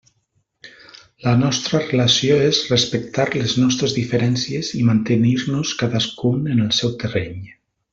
La nostra relació és respectar les nostres diferències i mantenir-nos cadascun en el seu terreny.